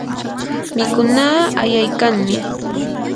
mikunaa ayaykanmi.